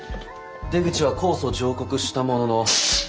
出口は控訴上告したものの。